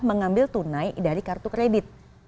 mengambil tunai dari kartu kredit